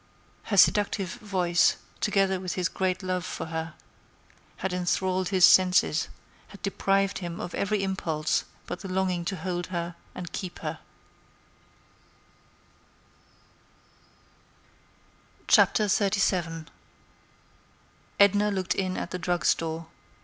Her seductive voice, together with his great love for her, had enthralled his senses, had deprived him of every impulse but the longing to hold her and keep her. XXXVII Edna looked in at the drug store.